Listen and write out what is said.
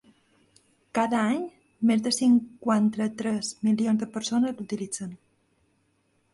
Cada any més de cinquanta-tres milions de persones l’utilitzen.